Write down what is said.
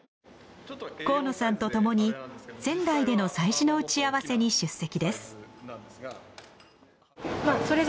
河野さんと共に仙台での催事の打ち合わせに出席です。